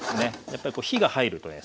やっぱり火が入るとね